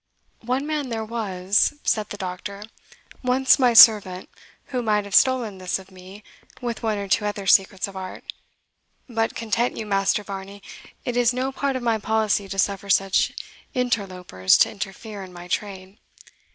"One man there was," said the doctor, "once my servant, who might have stolen this of me, with one or two other secrets of art. But content you, Master Varney, it is no part of my policy to suffer such interlopers to interfere in my trade.